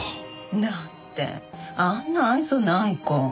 だってあんな愛想ない子。